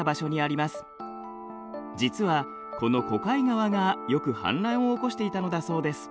実はこの小貝川がよく氾濫を起こしていたのだそうです。